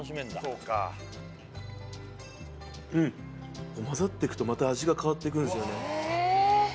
うんこう混ざってくとまた味が変わっていくんですよね